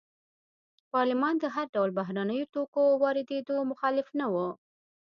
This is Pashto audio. پارلمان د هر ډول بهرنیو توکو واردېدو مخالف نه و.